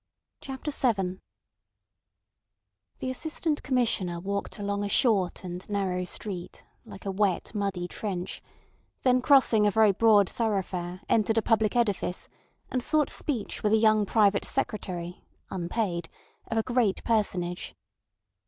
CHAPTER VII The Assistant Commissioner walked along a short and narrow street like a wet, muddy trench, then crossing a very broad thoroughfare entered a public edifice, and sought speech with a young private secretary (unpaid) of a great personage.